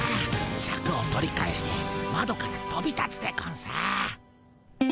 シャクを取り返してまどからとび立つでゴンス。